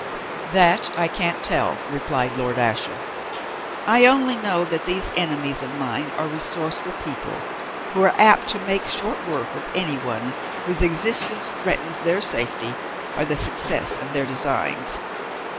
"That I can't tell," replied Lord Ashiel. "I only know that these enemies of mine are resourceful people, who are apt to make short work of anyone whose existence threatens their safety or the success of their designs.